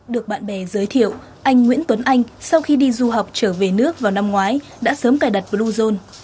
được bạn bè giới thiệu anh nguyễn tuấn anh sau khi đi du học trở về nước vào năm ngoái đã sớm cài đặt bluezone